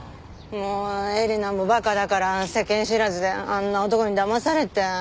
もうえりなも馬鹿だから世間知らずであんな男にだまされて。